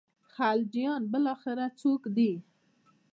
خلجیان بالاخره څوک دي.